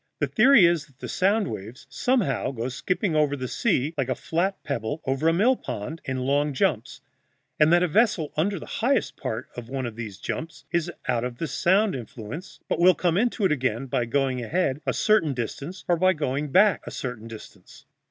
The theory is that the sound waves somehow go skipping over the sea, like a flat pebble over a mill pond, in long jumps, and that a vessel under the highest part of one of these jumps is out of the sound influence, but will come into it again by going ahead a certain distance or going back a certain distance.